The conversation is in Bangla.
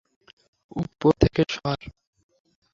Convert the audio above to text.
উপর থেকে সর!